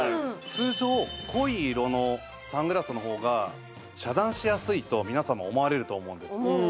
通常濃い色のサングラスの方が遮断しやすいと皆様思われると思うんです。